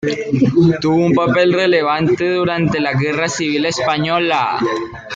Tuvo un papel relevante durante la Guerra civil española.